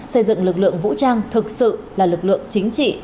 xây dựng lực lượng vũ trang thực sự là lực lượng chính trị